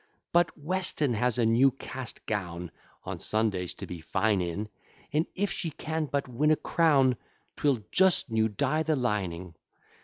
But Weston has a new cast gown On Sundays to be fine in, And, if she can but win a crown, 'Twill just new dye the lining.